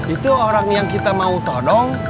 itu orang yang kita mau todong